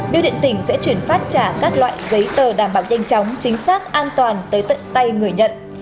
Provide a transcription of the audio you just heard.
biêu điện tỉnh sẽ chuyển phát trả các loại giấy tờ đảm bảo nhanh chóng chính xác an toàn tới tận tay người nhận